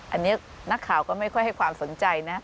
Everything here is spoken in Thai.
อันนี้นักข่าวก็ไม่ค่อยให้ความสนใจนะ